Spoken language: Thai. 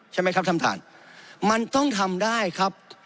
ใช่ไหมครับท่านท่านมันต้องทำได้ครับ